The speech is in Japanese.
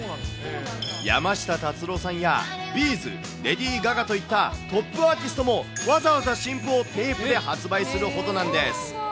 山下達郎さんやＢ’ｚ、レディー・ガガといったトップアーティストもわざわざ新譜をテープで発売するほどなんです。